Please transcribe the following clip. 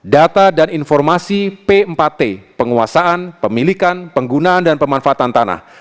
data dan informasi p empat t penguasaan pemilikan penggunaan dan pemanfaatan tanah